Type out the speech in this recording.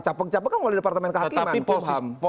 capek capek kan mau di departemen kehakiman